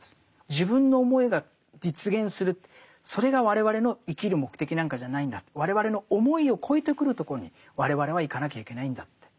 自分の思いが実現するそれが我々の生きる目的なんかじゃないんだと我々の思いを超えてくるところに我々はいかなきゃいけないんだって。